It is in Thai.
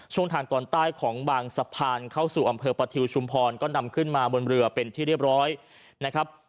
ทางตอนใต้ของบางสะพานเข้าสู่อำเภอประทิวชุมพรก็นำขึ้นมาบนเรือเป็นที่เรียบร้อยนะครับ